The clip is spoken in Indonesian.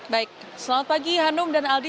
baik selamat pagi hanum dan aldi